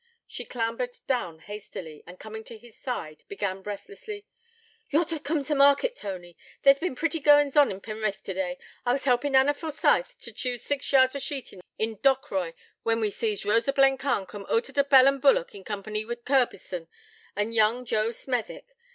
She clambered down hastily, and, coming to his side, began breathlessly: 'Ye ought t' hev coom t' market, Tony. There's bin pretty goin's on in Pe'rith today. I was helpin' Anna Forsyth t' choose six yards o' sheetin' in Dockroy, when we sees Rosa Blencarn coom oot o' t' 'Bell and Bullock' in company we' Curbison and young Joe Smethwick.